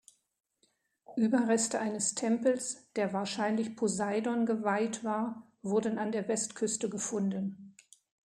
Überreste eines Tempels, der wahrscheinlich Poseidon geweiht war, wurden an der Westküste gefunden.